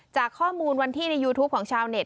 จากข้อมูลวันที่ในยูทูปของชาวเน็ต